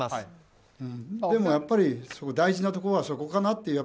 でも、やっぱり大事なところはそこかなって。